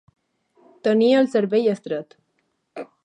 Tenir el cervell estret.